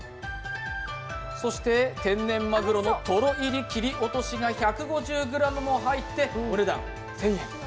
そして、天然マグロのトロ入り切り落としが１５０ｇも入って、お値段１０００円。